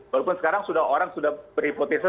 walaupun sekarang sudah orang sudah berhipotesis